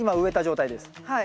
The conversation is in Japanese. はい。